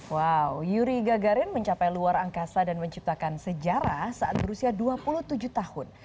wow yuri gagarin mencapai luar angkasa dan menciptakan sejarah saat berusia dua puluh tujuh tahun